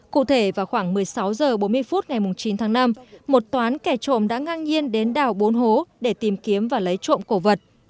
cụ thể vào khoảng một mươi sáu h bốn mươi phút ngày chín tháng năm một toán kẻ trộm đã ngang nhiên đến đào bốn hố để tìm kiếm và lấy trộm cổ vật